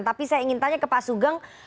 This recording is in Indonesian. tapi saya ingin tanya ke pak sugeng